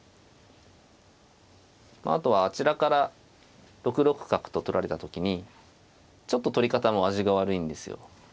あとはあちらから６六角と取られた時にちょっと取り方も味が悪いんですよ。